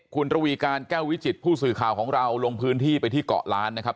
คุณระวีการแก้ววิจิตผู้สื่อข่าวของเราลงพื้นที่ไปที่เกาะล้านนะครับ